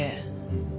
うん。